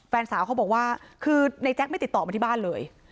แฟนสาวเขาบอกว่าคือในแจ๊คไม่ติดต่อมาที่บ้านเลย